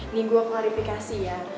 nih gue klarifikasi ya